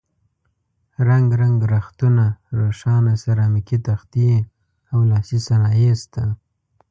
رنګ رنګ رختونه، روښانه سرامیکي تختې او لاسي صنایع شته.